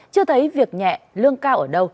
chưa thấy việc nhẹ lương cao ở đâu